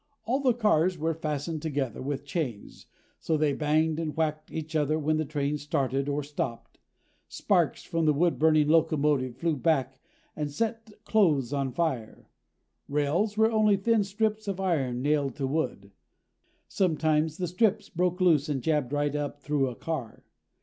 All the cars were fastened together with chains, so they banged and whacked each other when the train started or stopped. Sparks from the woodburning locomotive flew back and set clothes on fire. Rails were only thin strips of iron nailed to wood. Sometimes the strips broke loose and jabbed right up through a car.